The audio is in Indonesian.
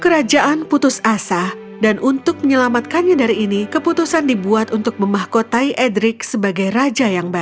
kerajaan putus asa dan untuk menyelamatkannya dari ini keputusan dibuat untuk memahkotai edric sebagai raja yang baik